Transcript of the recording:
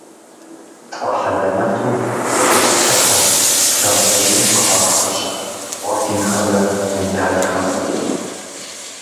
ТфӀэхьэлэмэту зэпэтплъыхьырт Шэмсэдин къыхуагъэфэща орденхэмрэ медалхэмрэ.